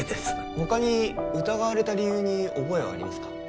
他に疑われた理由に覚えはありますか？